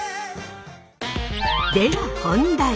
では本題！